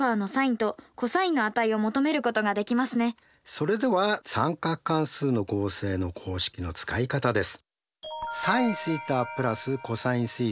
それでは三角関数の合成の公式の使い方です。